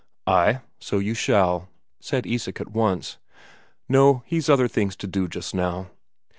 "Ay, so you shall," said Isak at once. "No; he's other things to do, just now."